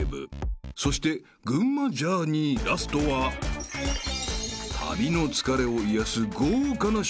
［そして群馬ジャーニーラストは旅の疲れを癒やす豪華な食事で大宴会］